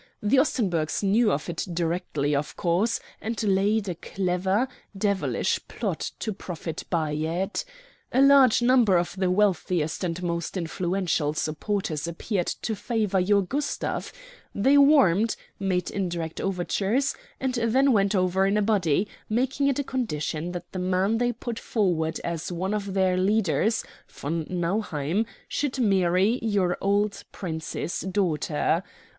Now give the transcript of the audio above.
The Ostenburgs knew of it directly, of course, and laid a clever, devilish plot to profit by it. A large number of the wealthiest and most influential supporters appeared to favor your Gustav; they warmed, made indirect overtures, and then went over in a body, making it a condition that the man they put forward as one of their leaders, von Nauheim, should marry your old Prince's daughter.